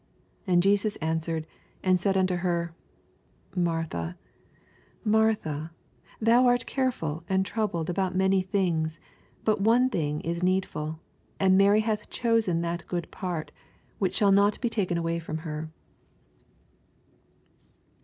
41 And Jesas answered, and said nnto her, Martha, Martha, thoa art carefal and trouoled aboat many things : 42 But one thing is needful : and Mary hath chosen that good part, which shall rot be taken away from her.